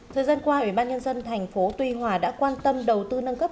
thời gian qua ủy ban nhân dân tp tuy hòa đã quan tâm đầu tư nâng cấp